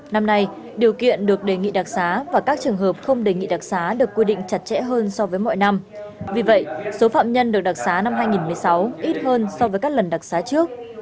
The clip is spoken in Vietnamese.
năm nay điều kiện được đề nghị đặc xá và các trường hợp không đề nghị đặc xá được quy định chặt chẽ hơn so với mọi năm vì vậy số phạm nhân được đặc xá năm hai nghìn một mươi sáu ít hơn so với các lần đặc xá trước